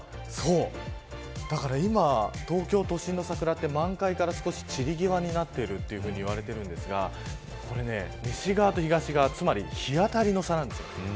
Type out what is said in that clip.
だから今、東京都心の桜は満開から少し散りぎわになっていると言われているんですが西側と東側つまり日当たりの差なんですよね。